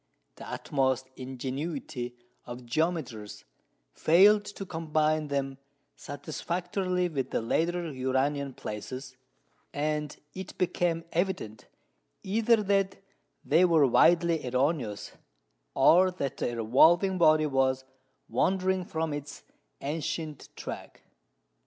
The utmost ingenuity of geometers failed to combine them satisfactorily with the later Uranian places, and it became evident, either that they were widely erroneous, or that the revolving body was wandering from its ancient track.